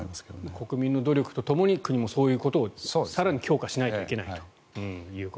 国民の努力とともに国もそういうことを更に強化しないといけないと。